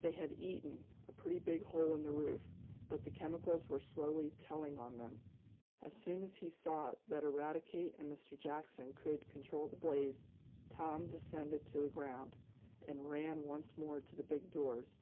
They had eaten, a pretty big hole in the roof, but the chemicals were slowly telling on them. As soon as he saw that Eradicate and Mr. Jackson could control the blaze, Tom descended to the ground, and ran once more to the big doors.